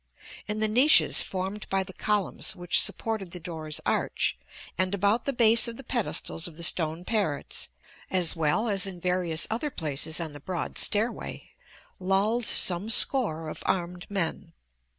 In the niches formed by the columns which supported the door's arch, and about the base of the pedestals of the stone parrots, as well as in various other places on the broad stairway, lolled some score of armed men.